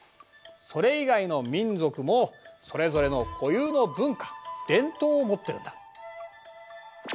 それ以外の民族もそれぞれの固有の文化伝統を持ってるんだ。